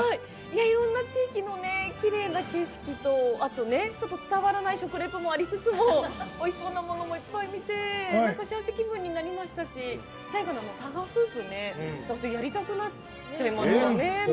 いろんな地域のきれいな景色とちょっと伝わらない食リポもありつつもおいしいものもたくさん見て幸せ気分になりましたし最後のタガフープやりたくなっちゃいましたね。